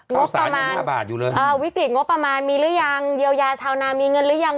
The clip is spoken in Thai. งบประมาณวิกฤตงบประมาณมีหรือยังเยียวยาชาวนามีเงินหรือยัง